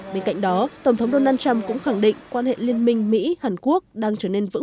bên cạnh đó tổng thống donald trump cũng khẳng định quan hệ liên minh mỹ hàn quốc đang trở